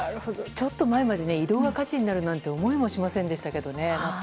ちょっと前まで移動が価値になるなんて思いもしなかったですけどね。